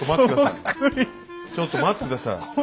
ちょっと待って下さい。